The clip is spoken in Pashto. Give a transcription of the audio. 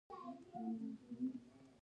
پښتو ژبې ته ډېر وخت ورکوي